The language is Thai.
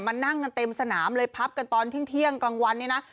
นั่งกันเต็มสนามเลยพับกันตอนที่เที่ยงกลางวันเนี่ยนะ